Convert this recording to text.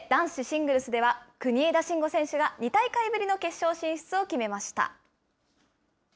そして男子シングルスでは、国枝慎吾選手が２大会ぶりの決勝進出を決めました。